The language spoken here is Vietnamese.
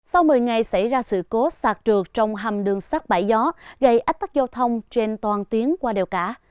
sau một mươi ngày xảy ra sự cố sạt trượt trong hầm đường sắt bảy gió gây ách tắc giao thông trên toàn tuyến qua đèo cả